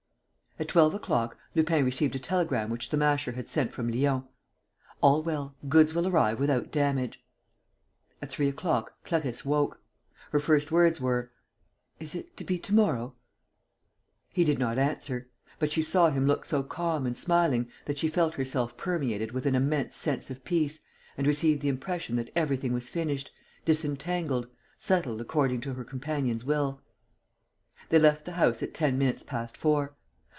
At twelve o'clock Lupin received a telegram which the Masher had sent from Lyons: "All well. Goods will arrive without damage." At three o'clock Clarisse woke. Her first words were: "Is it to be to morrow?" He did not answer. But she saw him look so calm and smiling that she felt herself permeated with an immense sense of peace and received the impression that everything was finished, disentangled, settled according to her companion's will. They left the house at ten minutes past four.